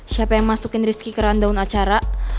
siapa yang masukin rizky ke rundown acara